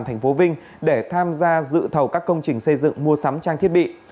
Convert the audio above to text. thành phố vinh để tham gia dự thầu các công trình xây dựng mua sắm trang thiết bị